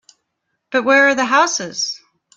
But where are the houses?